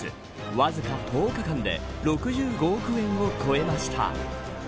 わずか１０日間で６５億円を超えました。